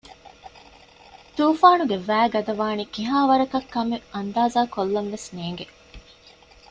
ތޫފާނުގެ ވައިގަދަވާނީ ކިހާވަރަކަށް ކަމެއް އަންދާޒާކޮށްލަންވެސް ނޭނގެ